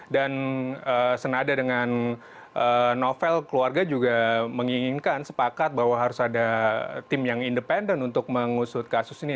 dan senada dengan novel keluarga juga menginginkan sepakat bahwa harus ada tim yang independen untuk mengusut kasus ini